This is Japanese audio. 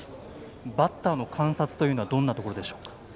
バッターの観察というのはどんなところでしょう。